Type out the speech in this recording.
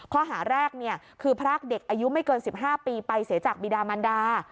ข้อหาแรกคือพรากเด็กอายุไม่เกิน๑๕ปีไปเสียจากบิดามันดา